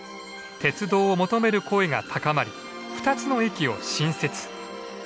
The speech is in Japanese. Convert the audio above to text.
鉄道を求める声が高まり２つの駅を新設。